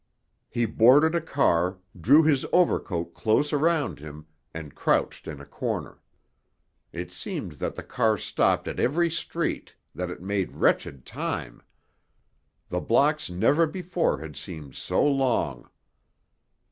He boarded a car, drew his overcoat close around him, and crouched in a corner. It seemed that the car stopped at every street, that it made wretched time. The blocks never before had seemed so long.